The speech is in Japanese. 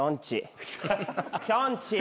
きょんちぃ。